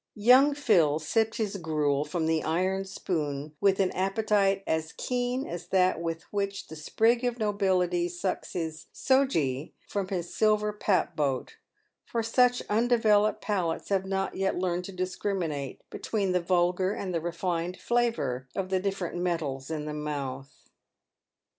Young Phil sipped his gruel from the iron spoon with an appetite as keen as that with which the sprig of nobility sucks his " soojee" from his silver pap boat; for such undeveloped palates have not yet learned to discriminate between the vulgar and refined flavour of the different metals in the mouth.